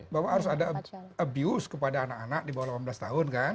bahwa harus ada abuse kepada anak anak di bawah delapan belas tahun kan